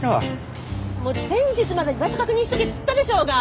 もう前日までに場所確認しとけっつったでしょうが！